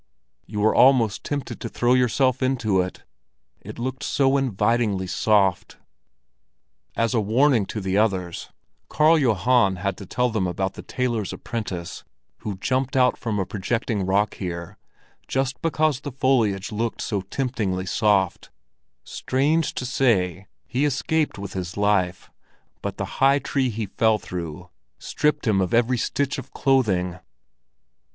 You were almost tempted to throw yourself into it, it looked so invitingly soft. As a warning to the others, Karl Johan had to tell them about the tailor's apprentice, who jumped out from a projecting rock here, just because the foliage looked so temptingly soft, Strange to say, he escaped with his life; but the high tree he fell through stripped him of every stitch of clothing.